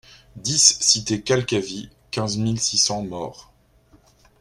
dix cité Calcavy, quinze mille six cents Maurs